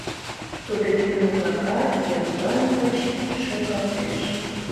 Тудо кӱ моклакала ероплан гыч шуҥгалтеш.